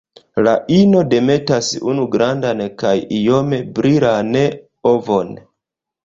La ino demetas unu grandan kaj iome brilan ovon.